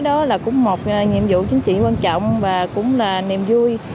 đó là cũng một nhiệm vụ chính trị quan trọng và cũng là niềm vui